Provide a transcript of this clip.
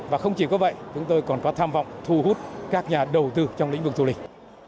và không chỉ có vậy chúng tôi còn có tham vọng thu hút các nhà đầu tư trong lĩnh vực du lịch